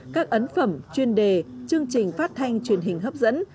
các ấn phẩm chuyên đề chương trình phát thanh truyền hình hấp dẫn